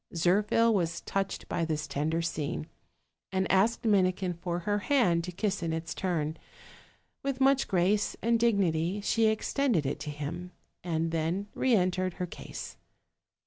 .Zirpbil was touched by this tender scene, and asked Minikin for her hand to kiss in its turn: with much grace and dignity she extended it to him, and then re entered her case.